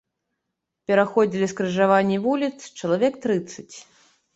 Пераходзілі скрыжаванні вуліц чалавек трыццаць.